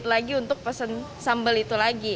aku mau lagi untuk pesen sambal itu lagi